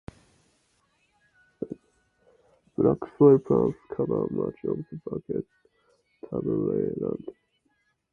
Black soil plains cover much of the Barkly Tableland.